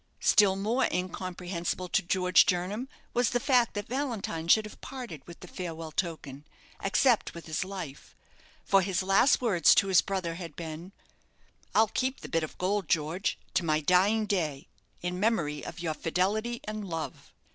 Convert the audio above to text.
Still more incomprehensible to George Jernam was the fact that Valentine should have parted with the farewell token, except with his life, for his last words to his brother had been "I'll keep the bit of gold, George, to my dying day, in memory of your fidelity and love."